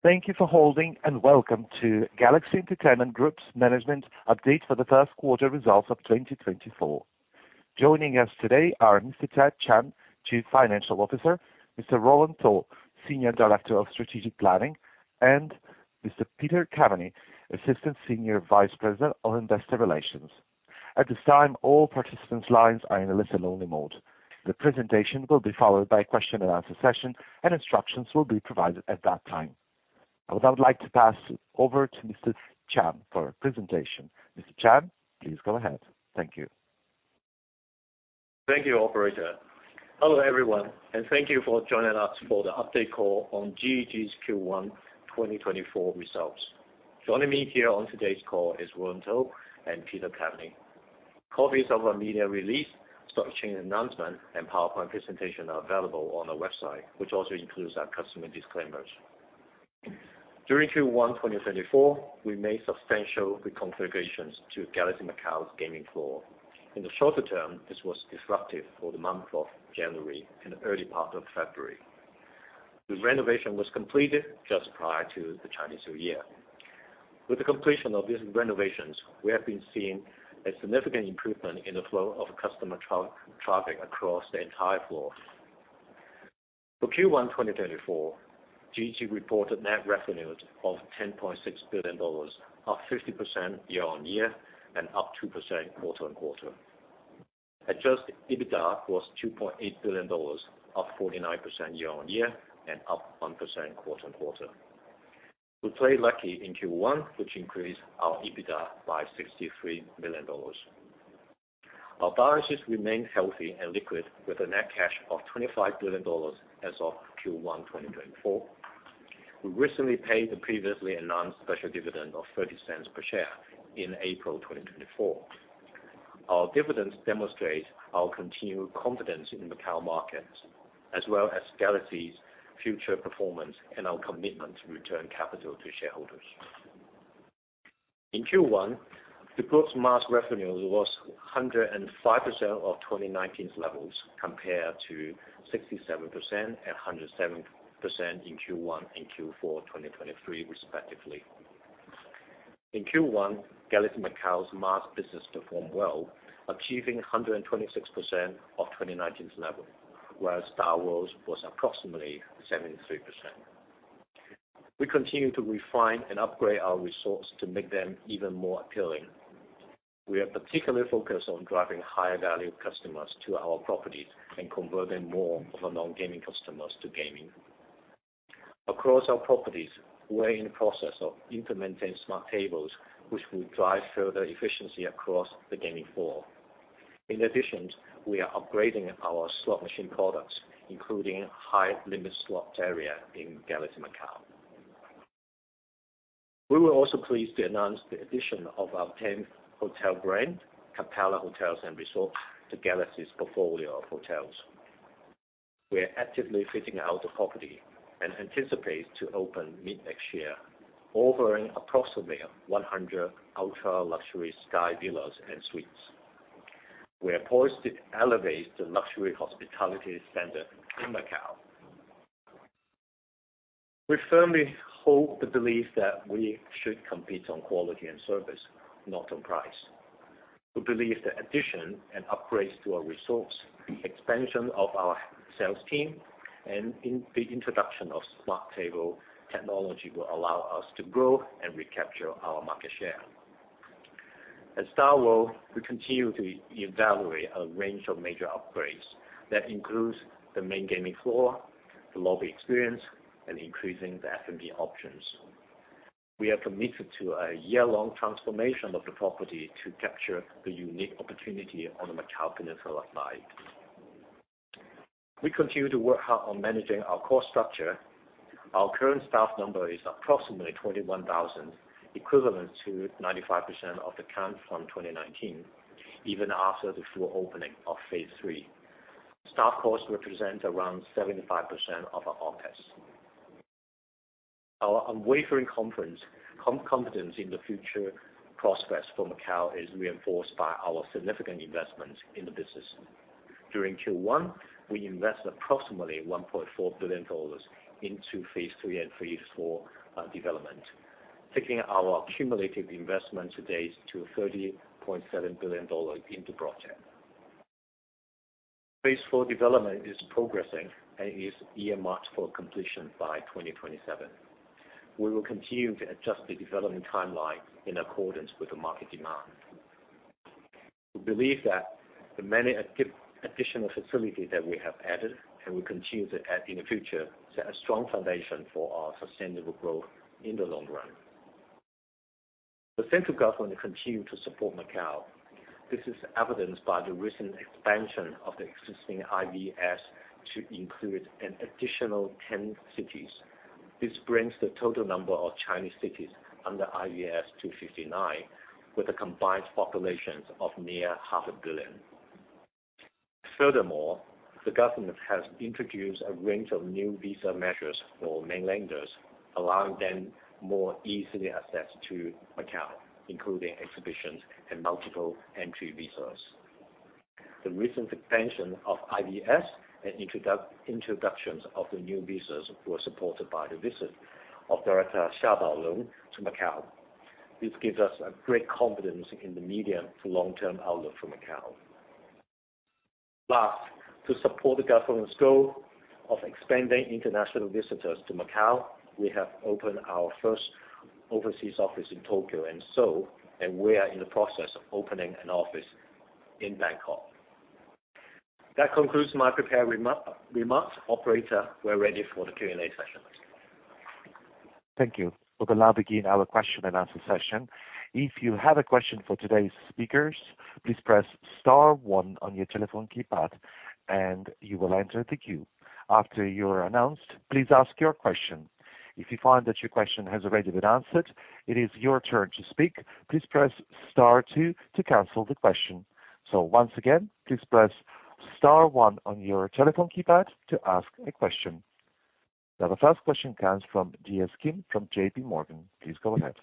Thank you for holding, and welcome to Galaxy Entertainment Group's management update for the first quarter results of 2024. Joining us today are Mr. Ted Chan, Chief Financial Officer; Mr. Roland To, Senior Director of Strategic Planning; and Mr. Peter Caveny, Assistant Senior Vice President of Investor Relations. At this time, all participants' lines are in listen-only mode. The presentation will be followed by a question-and-answer session, and instructions will be provided at that time. Now, I would like to pass over to Mr. Chan for a presentation. Mr. Chan, please go ahead. Thank you. Thank you, Operator. Hello, everyone, and thank you for joining us for the update call on GG's Q1 2024 results. Joining me here on today's call is Roland To and Peter Caveny. Copies of our media release, stock exchange announcement, and PowerPoint presentation are available on our website, which also includes our customer disclaimers. During Q1 2024, we made substantial reconfigurations to Galaxy Macau's gaming floor. In the shorter term, this was disruptive for the month of January and the early part of February. The renovation was completed just prior to the Chinese New Year. With the completion of these renovations, we have been seeing a significant improvement in the flow of customer traffic across the entire floor. For Q1 2024, GG reported net revenues of 10.6 billion dollars, up 50% year-on-year and up 2% quarter-on-quarter. Adjusted EBITDA was 2.8 billion dollars, up 49% year-on-year and up 1% quarter-on-quarter. We played lucky in Q1, which increased our EBITDA by 63 million dollars. Our balances remained healthy and liquid, with a net cash of 25 billion dollars as of Q1 2024. We recently paid the previously announced special dividend of 0.30 per share in April 2024. Our dividends demonstrate our continued confidence in Macau markets, as well as Galaxy's future performance and our commitment to return capital to shareholders. In Q1, the group's mass revenue was 105% of 2019's levels, compared to 67% and 107% in Q1 and Q4 2023, respectively. In Q1, Galaxy Macau's mass business performed well, achieving 126% of 2019's level, whereas StarWorld was approximately 73%. We continue to refine and upgrade our resources to make them even more appealing. We are particularly focused on driving higher-value customers to our properties and converting more of our non-gaming customers to gaming. Across our properties, we're in the process of implementing smart tables, which will drive further efficiency across the gaming floor. In addition, we are upgrading our slot machine products, including high-limit slots area in Galaxy Macau. We were also pleased to announce the addition of our 10th hotel brand, Capella Hotels & Resorts, to Galaxy's portfolio of hotels. We're actively fitting out the property and anticipate opening mid-next year, offering approximately 100 ultra-luxury sky villas and suites. We're poised to elevate the luxury hospitality standard in Macau. We firmly hold the belief that we should compete on quality and service, not on price. We believe that addition and upgrades to our resources, expansion of our sales team, and the introduction of smart table technology will allow us to grow and recapture our market share. At StarWorld, we continue to evaluate a range of major upgrades that include the main gaming floor, the lobby experience, and increasing the F&B options. We are committed to a year-long transformation of the property to capture the unique opportunity on the Macau Peninsula side. We continue to work hard on managing our core structure. Our current staff number is approximately 21,000, equivalent to 95% of the count from 2019, even after the full opening of Phase III. Staff costs represent around 75% of our OpEx. Our unwavering confidence in the future prospects for Macau is reinforced by our significant investments in the business. During Q1, we invested approximately 1.4 billion dollars into Phase III and Phase IV development, taking our accumulated investment today to 30.7 billion dollar in the project. Phase IV development is progressing and is earmarked for completion by 2027. We will continue to adjust the development timeline in accordance with the market demand. We believe that the many additional facilities that we have added and will continue to add in the future set a strong foundation for our sustainable growth in the long run. The central government continues to support Macau. This is evidenced by the recent expansion of the existing IVS to include an additional 10 cities. This brings the total number of Chinese cities under IVS to 59, with a combined population of near half a billion. Furthermore, the government has introduced a range of new visa measures for mainlanders, allowing them more easily access to Macau, including exhibitions and multiple entry visas. The recent expansion of IVS and introductions of the new visas were supported by the visit of Director Xia Baolong to Macau. This gives us great confidence in the medium- to long-term outlook for Macau. Last, to support the government's goal of expanding international visitors to Macau, we have opened our first overseas office in Tokyo, and we are in the process of opening an office in Bangkok. That concludes my prepared remarks. Operator, we're ready for the Q&A session. Thank you. We're going to now begin our question-and-answer session. If you have a question for today's speakers, please Press Star 1 on your telephone keypad, and you will enter the queue. After you're announced, please ask your question. If you find that your question has already been answered, it is your turn to speak. Please Press Star 2 to cancel the question. So once again, please Press Star 1 on your telephone keypad to ask a question. Now, the first question comes from DS Kim from JP Morgan. Please go ahead.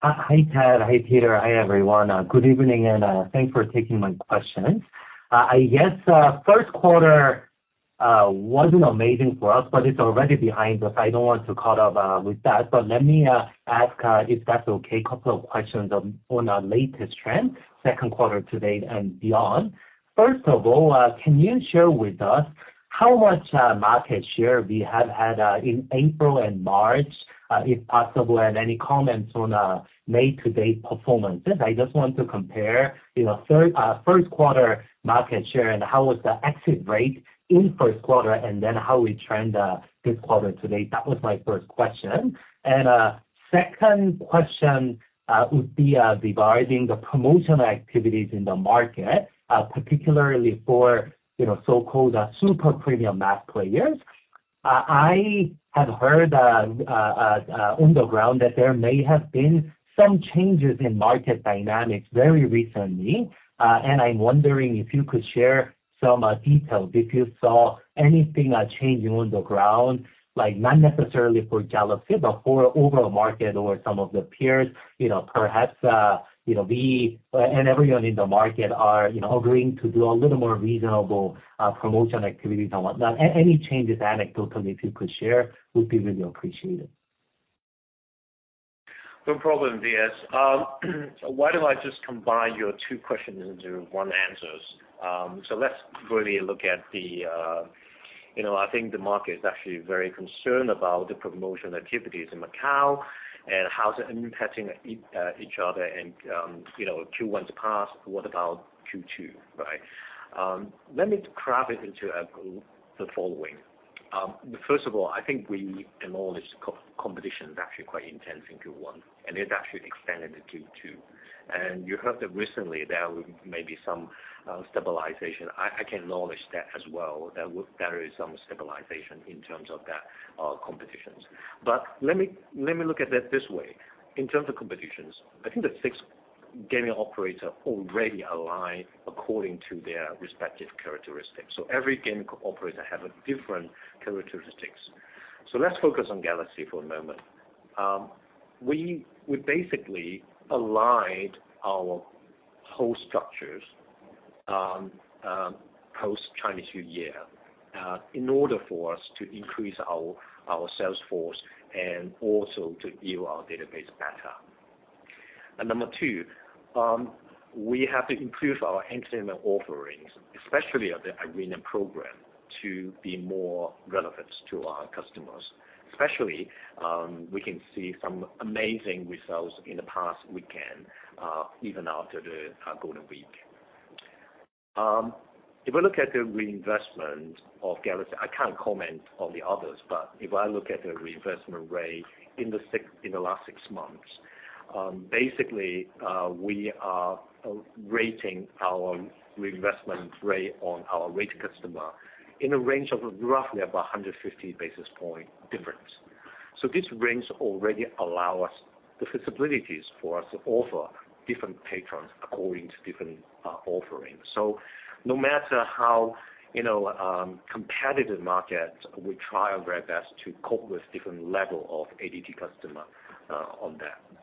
Hi Ted. Hi Peter. Hi everyone. Good evening, and thanks for taking my questions. I guess first quarter wasn't amazing for us, but it's already behind us. I don't want to caught up with that. But let me ask if that's okay, a couple of questions on our latest trend, second quarter to date, and beyond. First of all, can you share with us how much market share we have had in April and March, if possible, and any comments on May-to-date performances? I just want to compare first quarter market share and how was the exit rate in first quarter, and then how we trend this quarter to date. That was my first question. And second question would be regarding the promotional activities in the market, particularly for so-called super premium mass players. I have heard on the ground that there may have been some changes in market dynamics very recently, and I'm wondering if you could share some details, if you saw anything changing on the ground, not necessarily for Galaxy, but for overall market or some of the peers. Perhaps we and everyone in the market are agreeing to do a little more reasonable promotion activities and whatnot. Any changes anecdotally, if you could share, would be really appreciated. No problem, DS. Why don't I just combine your two questions into one answer? So let's really look at the—I think the market is actually very concerned about the promotional activities in Macau and how they're impacting each other. And Q1's past, what about Q2, right? Let me craft it into the following. First of all, I think we acknowledge competition is actually quite intense in Q1, and it's actually expanded to Q2. And you heard that recently there will be maybe some stabilization. I can acknowledge that as well, that there is some stabilization in terms of that competition. But let me look at it this way. In terms of competition, I think the six gaming operators already align according to their respective characteristics. So every gaming operator has different characteristics. So let's focus on Galaxy for a moment. We basically aligned our whole structures post-Chinese New Year in order for us to increase our sales force and also to yield our database better. And number two, we have to improve our entertainment offerings, especially the arena program, to be more relevant to our customers. Especially, we can see some amazing results in the past weekend, even after the Golden Week. If we look at the reinvestment of Galaxy, I can't comment on the others, but if I look at the reinvestment rate in the last six months, basically, we are rating our reinvestment rate on our rate customer in a range of roughly about 150 basis points different. So this range already allows us the feasibilities for us to offer different patrons according to different offerings. So no matter how competitive market, we try our very best to cope with different level of ADT customer on that.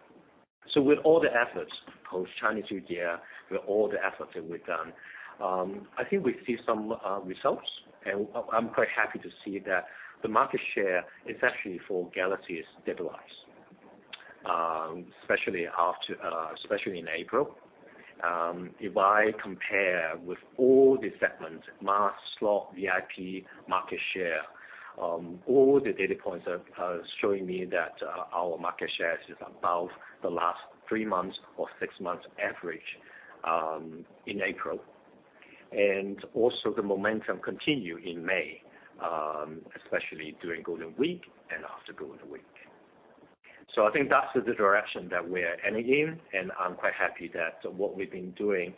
So with all the efforts post-Chinese New Year, with all the efforts that we've done, I think we see some results. And I'm quite happy to see that the market share is actually for Galaxy's stabilized, especially in April. If I compare with all the segments, mass, slot, VIP market share, all the data points are showing me that our market share is above the last three months or six months average in April. And also, the momentum continued in May, especially during Golden Week and after Golden Week. So I think that's the direction that we're heading in, and I'm quite happy that what we've been doing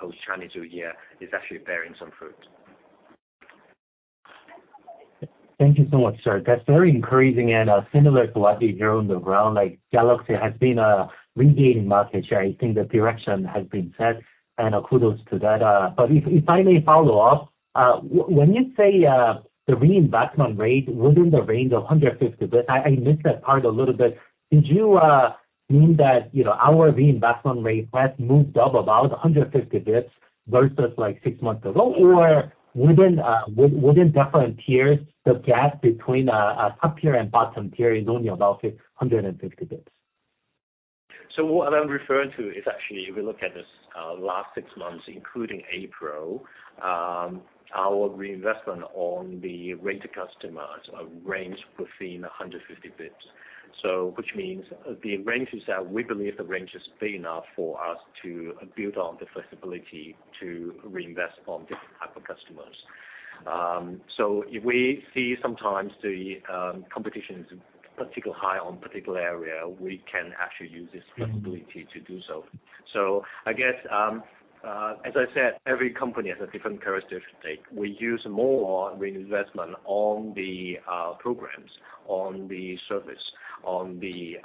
post-Chinese New Year is actually bearing some fruit. Thank you so much, Sir. That's very encouraging and similar to what we hear on the ground. Galaxy has been regaining market share. I think the direction has been set, and kudos to that. But if I may follow up, when you say the reinvestment rate within the range of 150 basis points I missed that part a little bit. Did you mean that our reinvestment rate has moved up about 150 basis points versus six months ago, or within different tiers, the gap between a top tier and bottom tier is only about 150 basis points? So what I'm referring to is actually, if we look at this last six months, including April, our reinvestment on the rate customers ranged within 150 basis points, which means the range is that we believe the range is big enough for us to build on the flexibility to reinvest on different type of customers. So if we see sometimes the competition is particularly high on a particular area, we can actually use this flexibility to do so. So I guess, as I said, every company has a different characteristic. We use more reinvestment on the programs, on the service, on the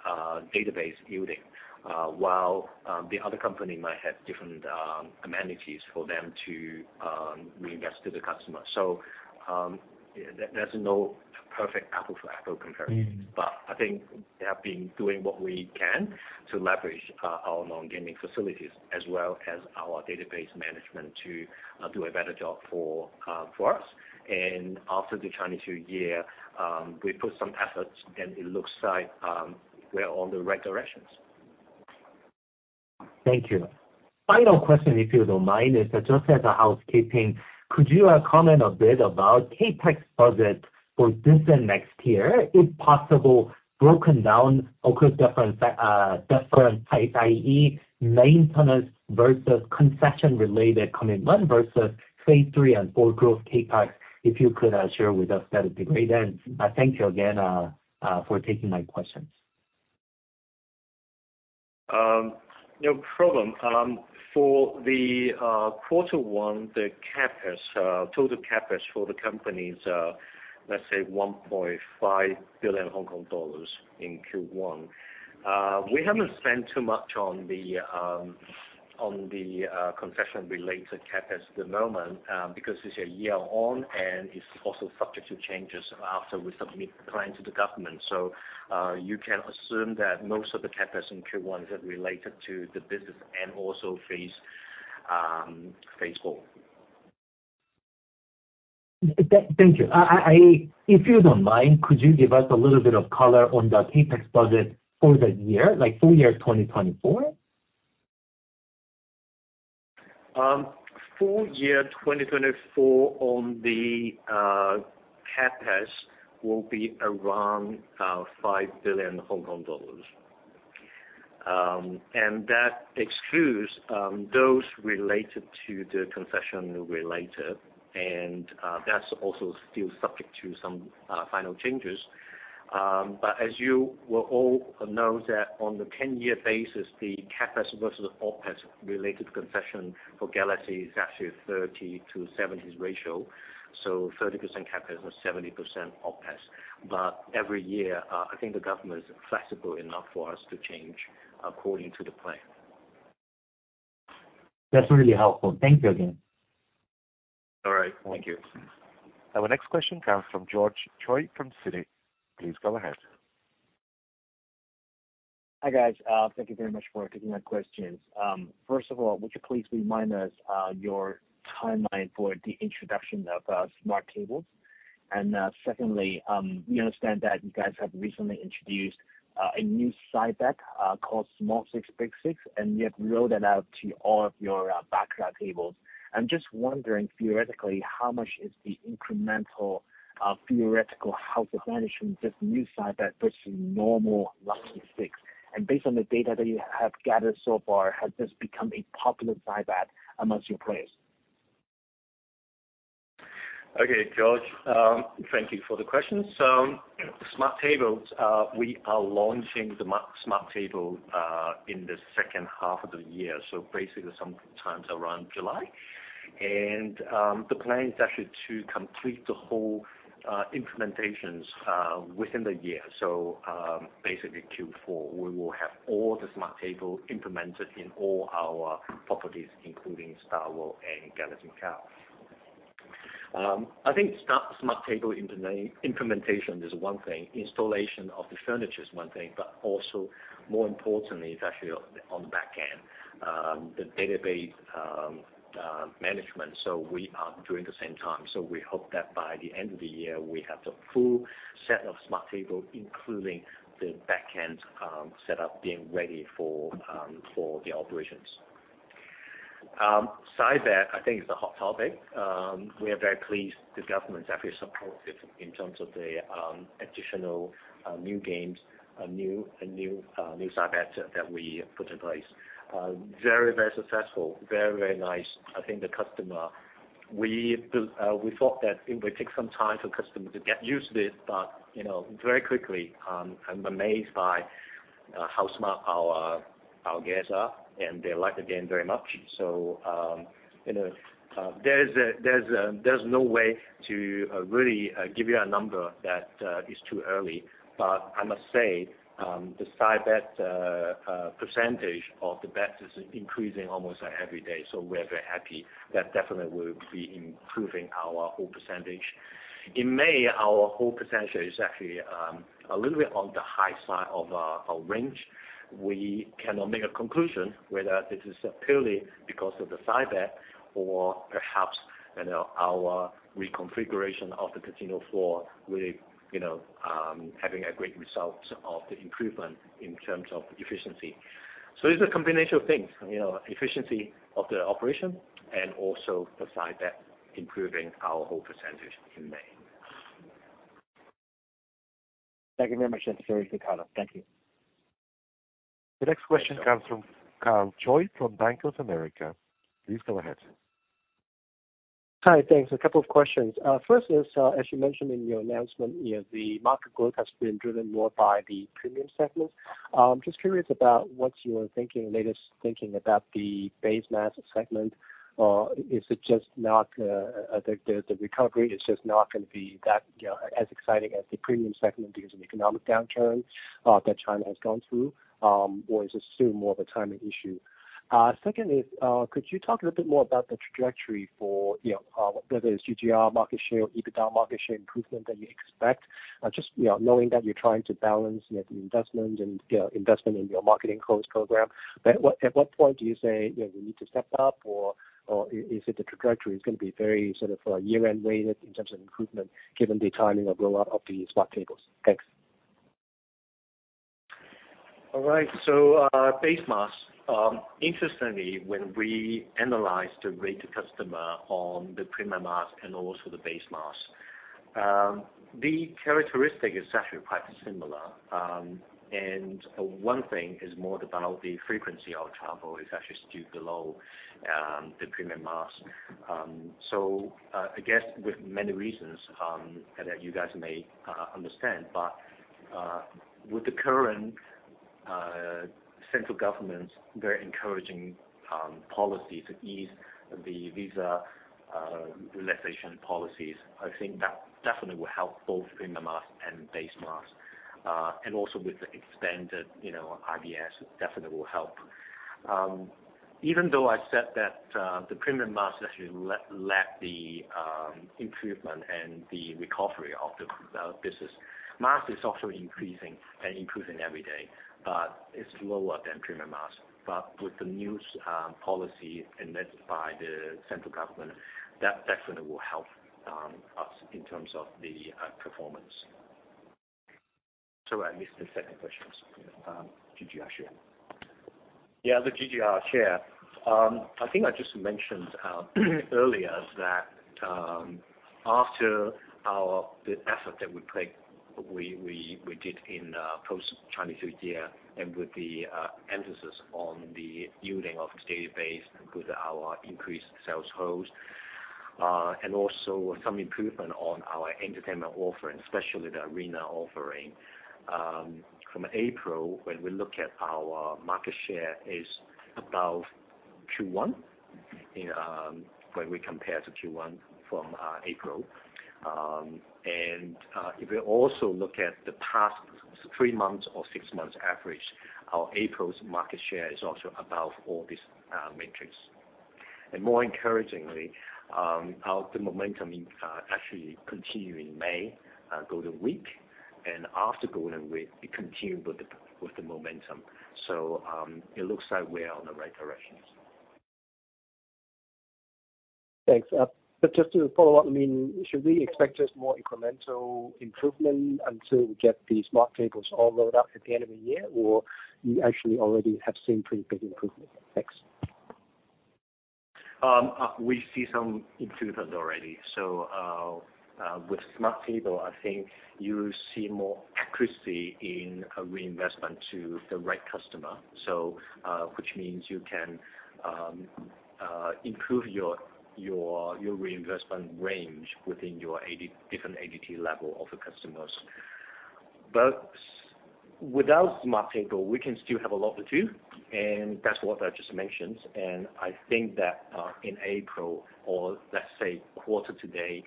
database yielding, while the other company might have different amenities for them to reinvest to the customer. So there's no perfect apple-to-apple comparison. But I think they have been doing what we can to leverage our non-gaming facilities as well as our database management to do a better job for us. And after the Chinese New Year, we put some efforts, and it looks like we're on the right directions. Thank you. Final question, if you don't mind, is just as a housekeeping, could you comment a bit about CapEx budget for this and next year, if possible, broken down across different types, i.e., maintenance versus concession-related commitment versus Phase 3 and 4 growth CapEx, if you could share with us that degree? Then thank you again for taking my questions. No problem. For the quarter one, the total CapEx for the company is, let's say, $1.5 billion in Q1. We haven't spent too much on the concession-related CapEx at the moment because it's a year one, and it's also subject to changes after we submit the plan to the government. So you can assume that most of the CapEx in Q1 is related to the business and also Facebook. Thank you. If you don't mind, could you give us a little bit of color on the CapEx budget for the year, like full year 2024? Full year 2024 on the CapEx will be around $5 billion. That excludes those related to the concession-related, and that's also still subject to some final changes. As you will all know, on the 10-year basis, the CapEx versus OpEx related to concession for Galaxy is actually 30-70 ratio. 30% CapEx and 70% OpEx. Every year, I think the government is flexible enough for us to change according to the plan. That's really helpful. Thank you again. All right. Thank you. Our next question comes from George Choi from Citi. Please go ahead. Hi guys. Thank you very much for taking my questions. First of all, would you please remind us your timeline for the introduction of smart tables? And secondly, we understand that you guys have recently introduced a new side bet called Small 6/Big 6, and you have rolled it out to all of your baccarat tables. I'm just wondering, theoretically, how much is the incremental theoretical house advantage from this new side bet versus normal Lucky 6? And based on the data that you have gathered so far, has this become a popular side bet amongst your players? Okay, George. Thank you for the questions. Smart tables, we are launching the smart table in the second half of the year, so basically sometimes around July. The plan is actually to complete the whole implementations within the year. So basically, Q4, we will have all the smart table implemented in all our properties, including StarWorld and Galaxy Macau. I think smart table implementation is one thing. Installation of the furniture is one thing, but also more importantly, it's actually on the back end, the database management. So we are doing the same time. So we hope that by the end of the year, we have the full set of smart tables, including the back end setup, being ready for the operations. SIBET, I think, is a hot topic. We are very pleased. The government's actually supportive in terms of the additional new games, new side bet that we put in place. Very, very successful. Very, very nice. I think the customer we thought that it would take some time for customers to get used to it, but very quickly, I'm amazed by how smart our guests are, and they like the game very much. So there's no way to really give you a number that is too early. But I must say, the side bet percentage of the bets is increasing almost every day. So we're very happy. That definitely will be improving our hold percentage. In May, our hold percentage is actually a little bit on the high side of our range. We cannot make a conclusion whether this is purely because of the side bet or perhaps our reconfiguration of the casino floor really having a great result of the improvement in terms of efficiency. So it's a combination of things, efficiency of the operation and also the side bet improving our hold percentage in May. Thank you very much, Anthony. Very good callout. Thank you. The next question comes from Jihwan Choi from Citi. Please go ahead. Hi. Thanks. A couple of questions. First is, as you mentioned in your announcement here, the market growth has been driven more by the premium segments. Just curious about what's your latest thinking about the base mass segment. Is it just not the recovery is just not going to be as exciting as the premium segment because of the economic downturn that China has gone through, or is it still more of a timing issue? Second is, could you talk a little bit more about the trajectory for whether it's GGR market share, EBITDA market share improvement that you expect, just knowing that you're trying to balance the investment and investment in your marketing growth program? At what point do you say we need to step up, or is it the trajectory is going to be very sort of year-end weighted in terms of improvement given the timing of roll-out of the smart tables? Thanks. All right. So base mass. Interestingly, when we analyze the rate to customer on the premium mass and also the base mass, the characteristic is actually quite similar. And one thing is more about the frequency of travel is actually still below the premium mass. So I guess with many reasons that you guys may understand. But with the current central government's very encouraging policy to ease the visa relaxation policies, I think that definitely will help both premium mass and base mass. And also with the expanded IVS, definitely will help. Even though I said that the premium mass actually led the improvement and the recovery of the business, mass is also increasing and improving every day, but it's lower than premium mass. But with the new policy emitted by the central government, that definitely will help us in terms of the performance. Sorry, I missed the second question. GGR share. Yeah, the GGR share. I think I just mentioned earlier that after the effort that we did in post-Chinese New Year and with the emphasis on the yielding of the database with our increased sales holds and also some improvement on our entertainment offering, especially the arena offering, from April, when we look at our market share is about Q1 when we compare to Q1 from April. And if we also look at the past three months or six months average, our April's market share is also above all these metrics. And more encouragingly, the momentum actually continued in May, Golden Week. And after Golden Week, it continued with the momentum. So it looks like we're on the right direction. Thanks. But just to follow up, I mean, should we expect just more incremental improvement until we get the Smart Tables all rolled out at the end of the year, or you actually already have seen pretty big improvement? Thanks. We see some improvements already. So with smart table, I think you see more accuracy in reinvestment to the right customer, which means you can improve your reinvestment range within your different ADT level of the customers. But without smart table, we can still have a lot to do, and that's what I just mentioned. And I think that in April or, let's say, quarter today,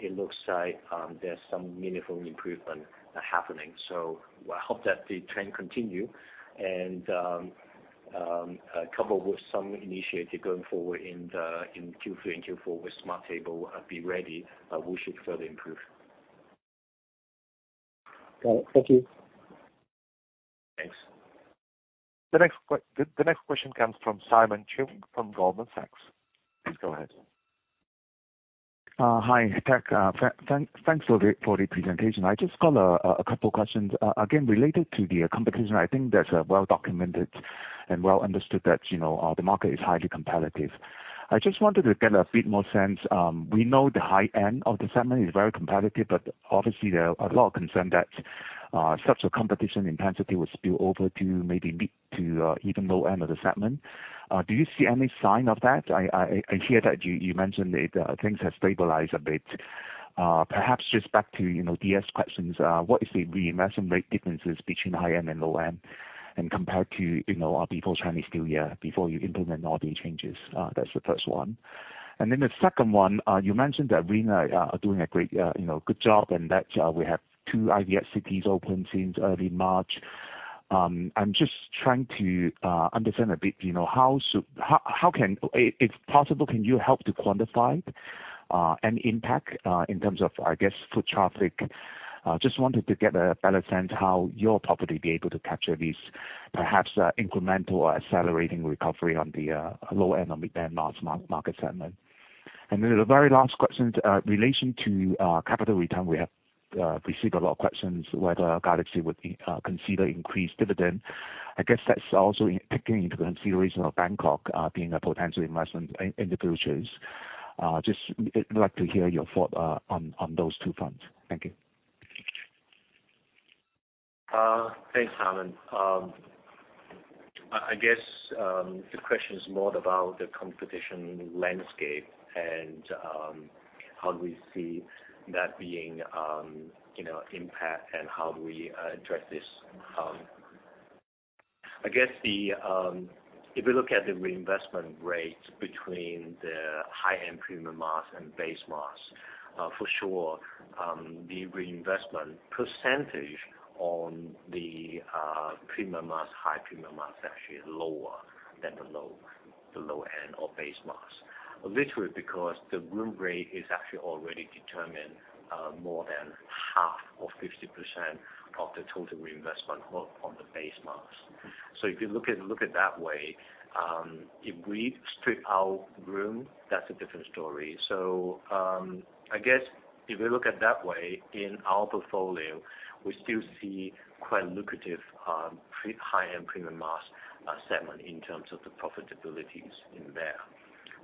it looks like there's some meaningful improvement happening. So I hope that the trend continues. And coupled with some initiative going forward in Q3 and Q4 with smart table be ready, we should further improve. Got it. Thank you. Thanks. The next question comes from Simon Cheung from Goldman Sachs. Please go ahead. Hi, Peck. Thanks for the presentation. I just got a couple of questions. Again, related to the competition, I think that's well documented and well understood that the market is highly competitive. I just wanted to get a bit more sense. We know the high end of the segment is very competitive, but obviously, there are a lot of concern that such a competition intensity will spill over to maybe mid to even low end of the segment. Do you see any sign of that? I hear that you mentioned that things have stabilized a bit. Perhaps just back to DS questions, what is the reinvestment rate differences between high end and low end and compared to before Chinese New Year, before you implement all the changes? That's the first one. And then the second one, you mentioned that arena are doing a good job and that we have two IVS cities open since early March. I'm just trying to understand a bit how, if possible, can you help to quantify any impact in terms of, I guess, foot traffic? Just wanted to get a better sense how your property would be able to capture these perhaps incremental or accelerating recovery on the low end or mid end mass market segment. And then the very last questions, in relation to capital return, we have received a lot of questions whether Galaxy would consider increased dividend. I guess that's also taking into consideration of Bangkok being a potential investment in the future. Just like to hear your thought on those two fronts. Thank you. Thanks, Simon. I guess the question is more about the competition landscape and how do we see that being impacted and how do we address this. I guess if we look at the reinvestment rate between the high end premium mass and base mass, for sure, the reinvestment percentage on the premium mass, high premium mass is actually lower than the low end or base mass, literally because the room rate is actually already determined more than half or 50% of the total reinvestment on the base mass. So if you look at it that way, if we strip out room, that's a different story. So I guess if we look at that way, in our portfolio, we still see quite lucrative high end premium mass segment in terms of the profitabilities in there,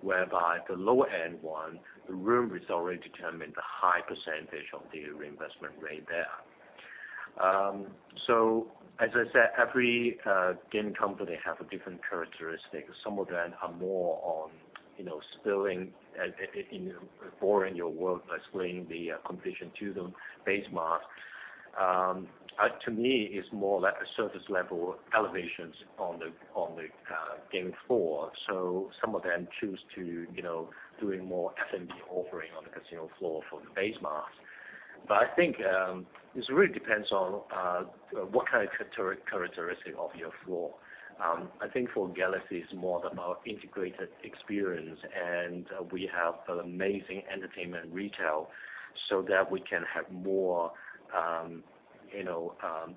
whereby the lower end one, the room is already determined the high percentage of the reinvestment rate there. So as I said, every game company has a different characteristic. Some of them are more on borrowing your work, explaining the competition to them, base mass. To me, it's more like a surface level elevations on the game floor. So some of them choose to do more F&B offering on the casino floor for the base mass. But I think this really depends on what kind of characteristic of your floor. I think for Galaxy, it's more about integrated experience, and we have amazing entertainment retail so that we can have more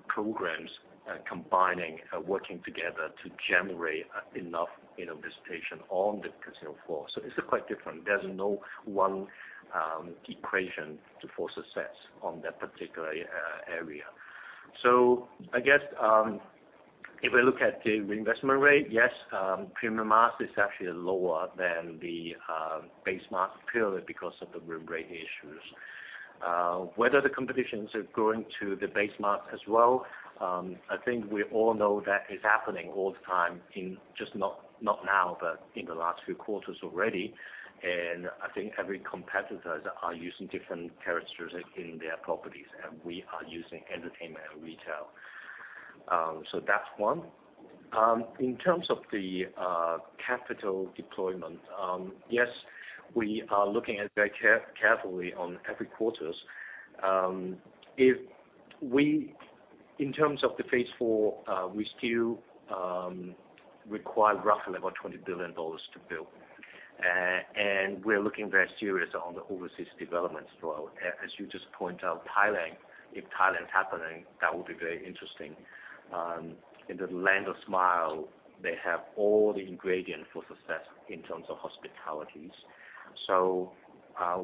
programs combining and working together to generate enough visitation on the casino floor. So it's quite different. There's no one equation to force a sense on that particular area. So I guess if we look at the reinvestment rate, yes, premium mass is actually lower than the base mass purely because of the room rate issues. Whether the competitors are going to the base mass as well, I think we all know that is happening all the time, just not now, but in the last few quarters already. And I think every competitor are using different characteristics in their properties, and we are using entertainment and retail. So that's one. In terms of the capital deployment, yes, we are looking at it very carefully on every quarter. In terms of Phase 4, we still require roughly about 20 billion dollars to build. And we're looking very seriously on the overseas developments throughout. As you just point out, Thailand, if Thailand's happening, that would be very interesting. In the Land of Smile, they have all the ingredients for success in terms of hospitalities. So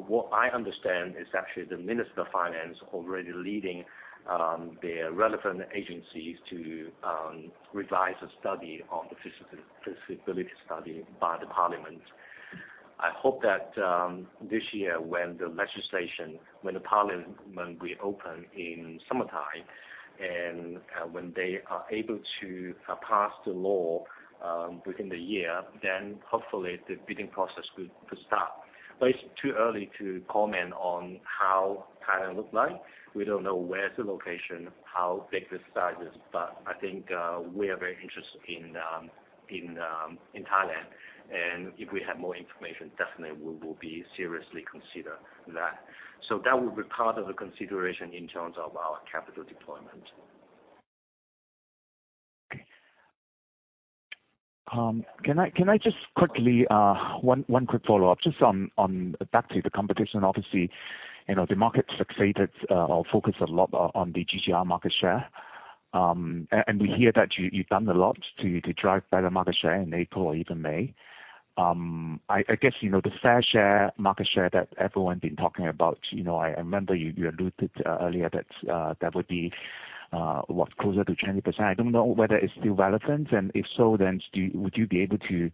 what I understand is actually the Minister of Finance already leading their relevant agencies to revise a study on the feasibility study by the parliament. I hope that this year, when the legislation when the parliament reopen in summertime and when they are able to pass the law within the year, then hopefully, the bidding process could start. But it's too early to comment on how Thailand looks like. We don't know where's the location, how big the size is. But I think we are very interested in Thailand. If we have more information, definitely, we will be seriously consider that. That would be part of the consideration in terms of our capital deployment. Can I just quickly one quick follow-up, just back to the competition. Obviously, the market fixated or focused a lot on the GGR market share. And we hear that you've done a lot to drive better market share in April or even May. I guess the fair share market share that everyone's been talking about, I remember you alluded earlier that that would be what, closer to 20%. I don't know whether it's still relevant. And if so, then would you be able to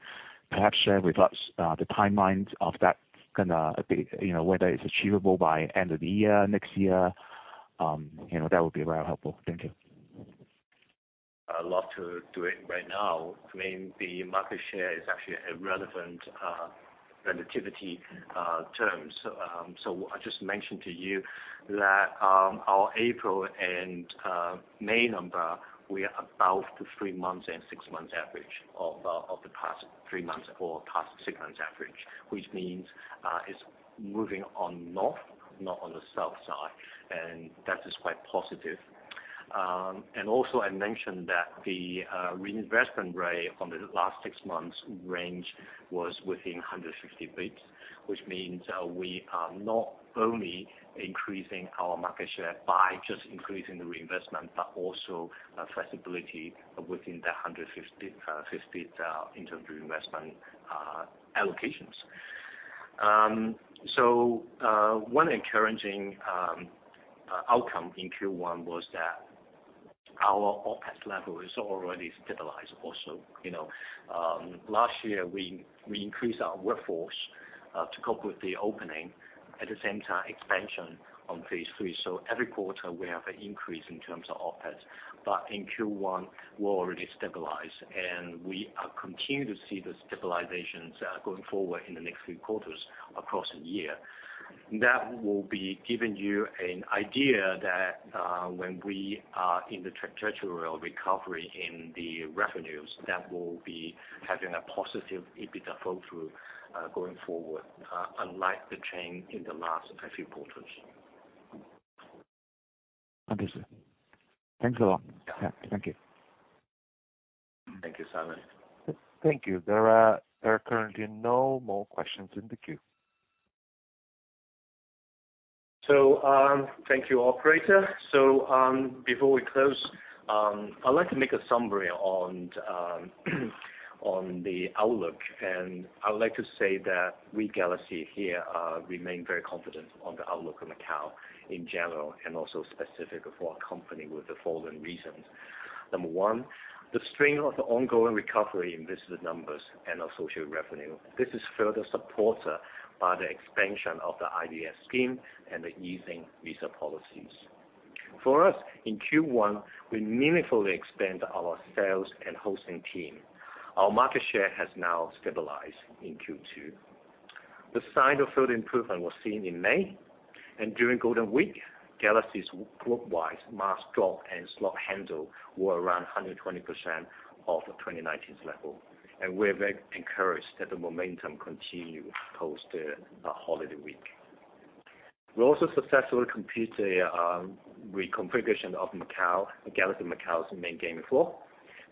perhaps share with us the timelines of that kind of whether it's achievable by end of the year next year? That would be very helpful. Thank you. I'd love to do it right now. I mean, the market share is actually a relevant relativity term. So I just mentioned to you that our April and May number, we are about the three month and 6-month average of the past three months or past six months average, which means it's moving on north, not on the south side. And that is quite positive. And also, I mentioned that the reinvestment rate on the last six months range was within 150 basis points, which means we are not only increasing our market share by just increasing the reinvestment but also flexibility within that 150 basis points in terms of reinvestment allocations. So one encouraging outcome in Q1 was that our OpEx level is already stabilized also. Last year, we increased our workforce to cope with the opening. At the same time, expansion on Phase 3. Every quarter, we have an increase in terms of OpEx. In Q1, we're already stabilized, and we continue to see the stabilizations going forward in the next few quarters across the year. That will be giving you an idea that when we are in the territorial recovery in the revenues, that will be having a positive EBITDA flow through going forward, unlike the change in the last few quarters. Understood. Thanks a lot. Thank you. Thank you, Simon. Thank you. There are currently no more questions in the queue. Thank you, operator. Before we close, I'd like to make a summary on the outlook. I would like to say that we, Galaxy, here remain very confident on the outlook on Macau in general and also specific for our company with the following reasons. Number one, the strength of the ongoing recovery in visitor numbers and associated revenue. This is further supported by the expansion of the IVS scheme and the easing visa policies. For us, in Q1, we meaningfully expanded our sales and hosting team. Our market share has now stabilized in Q2. The sign of further improvement was seen in May. During Golden Week, Galaxy's worldwide mass drop and slot handle were around 120% of 2019's level. We're very encouraged that the momentum continues post the holiday week. We also successfully completed a reconfiguration of Galaxy Macau's main gaming floor,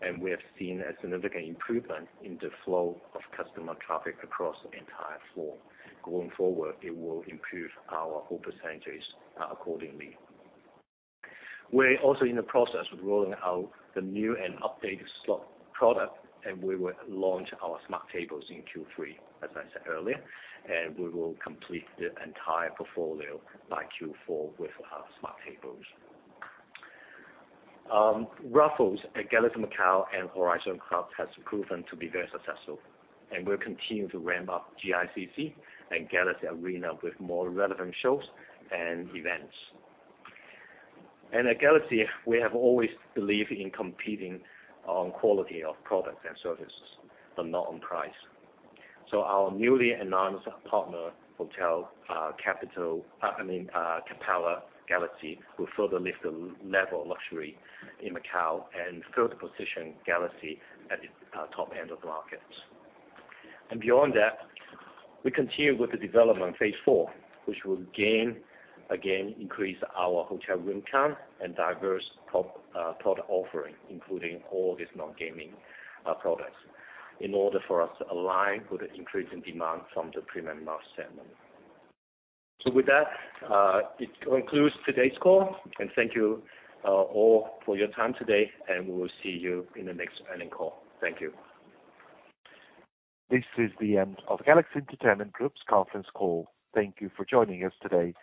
and we have seen a significant improvement in the flow of customer traffic across the entire floor. Going forward, it will improve our hold percentages accordingly. We're also in the process of rolling out the new and updated slot product, and we will launch our smart tables in Q3, as I said earlier. And we will complete the entire portfolio by Q4 with our smart tables. Raffles, Galaxy Macau, and Horizon Clubs has proven to be very successful. And we'll continue to ramp up GICC and Galaxy Arena with more relevant shows and events. And at Galaxy, we have always believed in competing on quality of products and services but not on price. So our newly announced partner, Capella Galaxy, will further lift the level of luxury in Macau and further position Galaxy at the top end of the market. And beyond that, we continue with the development Phase IV, which will again increase our hotel room count and diverse product offering, including all of these non-gaming products, in order for us to align with the increasing demand from the premium mass segment. So with that, it concludes today's call. And thank you all for your time today, and we will see you in the next earnings call. Thank you. This is the end of Galaxy Entertainment Group's conference call. Thank you for joining us today.